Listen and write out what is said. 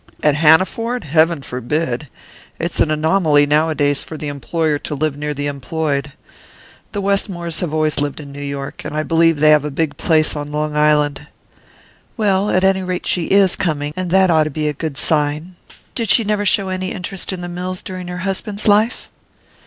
"At Hanaford? Heaven forbid! It's an anomaly nowadays for the employer to live near the employed. The Westmores have always lived in New York and I believe they have a big place on Long Island." "Well, at any rate she is coming, and that ought to be a good sign. Did she never show any interest in the mills during her husband's life?"